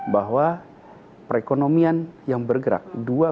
bahwa perekonomian yang bergerak